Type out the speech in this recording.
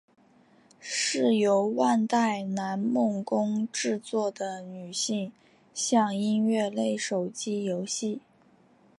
是由万代南梦宫制作的女性向音乐类手机游戏。